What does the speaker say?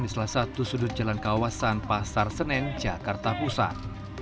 di salah satu sudut jalan kawasan pasar senen jakarta pusat